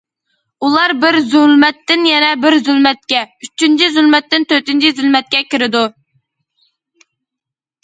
ئۇلار، بىر زۇلمەتتىن يەنە بىر زۇلمەتكە، ئۈچىنچى زۇلمەتتىن تۆتىنچى زۇلمەتكە كىرىدۇ.